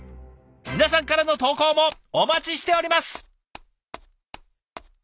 皆さんからの投稿もお待ちしております。